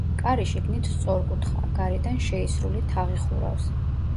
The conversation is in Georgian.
კარი შიგნით სწორკუთხაა, გარედან შეისრული თაღი ხურავს.